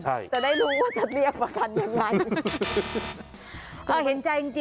จะได้รู้ว่าจะเรียกประกันยังไง